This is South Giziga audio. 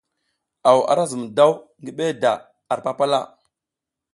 Aw ara zum daw ngi beda ar papala.